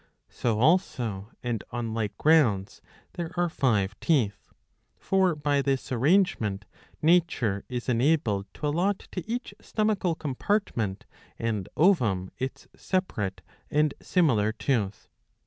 So also and on like grounds there are five teeth. For by this arrangement nature is enabled to allot to each stomachal compartment and ovum its separate and similar tooth.